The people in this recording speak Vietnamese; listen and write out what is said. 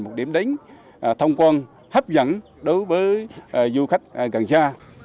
một điểm đánh thông quân hấp dẫn đối với du khách gần xa